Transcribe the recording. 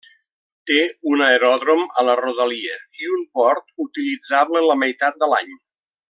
Té un aeròdrom a la rodalia i un port utilitzable la meitat de l'any.